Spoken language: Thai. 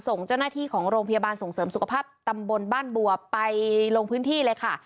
ส่งเจ้าหน้าที่ของโรงพยาบาลส่งเสริมสุขภาพตำบลบ้านบัวไปลงพื้นที่เลยค่ะ